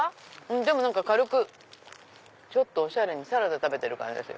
でも軽くちょっとおしゃれにサラダ食べてる感じですよ。